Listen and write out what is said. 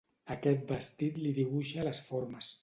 Aquest vestit li dibuixa les formes.